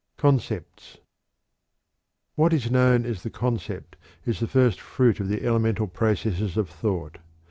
CONCEPTS. What is known as the "concept" is the first fruit of the elemental processes of thought.